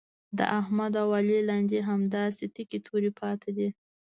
د احمد او علي لانجې همداسې تکې تورې پاتې دي.